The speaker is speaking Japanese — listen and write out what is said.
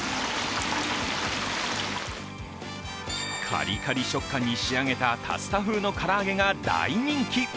カリカリ食感に仕上げた竜田風の唐揚げが大人気。